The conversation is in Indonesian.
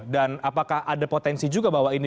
dan apakah ada potensi juga bahwa ini